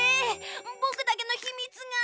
ぼくだけのひみつが！